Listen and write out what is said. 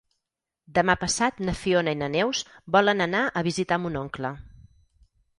Demà passat na Fiona i na Neus volen anar a visitar mon oncle.